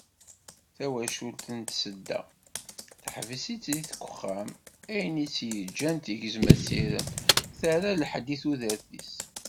Tawacult n Tsedda, teḥbes-itt deg uxxam, ayen i tt-yeǧǧan tegzem asirem, terra lḥedd i tudert-is.